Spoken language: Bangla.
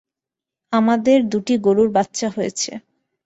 আমাদের দুটি গরুর বাচ্চা হয়েছে।